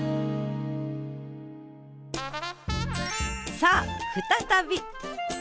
さあ再び！